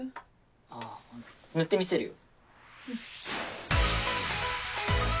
あぁ塗ってみせるよ。